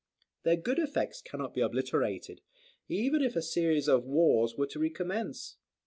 "] Their good effects cannot be obliterated, even if a series of wars were to recommence.